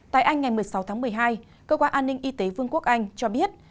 tại anh ngày một mươi sáu tháng một mươi hai cơ quan an ninh y tế vương quốc anh cho biết